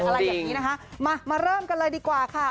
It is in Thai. แบบนี้นะคะมามาเริ่มกันเลยดีกว่าค่ะ